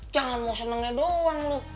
jangan mau senengnya doang lu